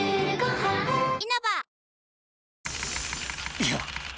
いや